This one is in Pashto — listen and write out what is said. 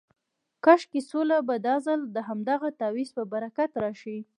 کاشکې سوله به دا ځل د همدغه تعویض په برکت راشي.